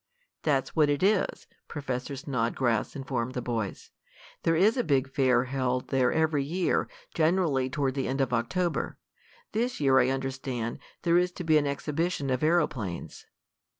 "That's what it is," Professor Snodgrass informed the boys. "There is a big fair held there every year, generally toward the end of October. This year, I understand, there is to be an exhibition of aeroplanes."